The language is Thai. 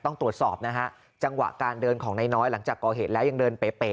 ต้องตรวจสอบนะฮะจังหวะการเดินของนายน้อยหลังจากก่อเหตุแล้วยังเดินเป๋